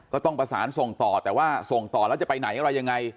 ก็ต้องประสานส่งต่อแต่ว่าส่งต่อแล้วจะไปไหนอะไรยังไง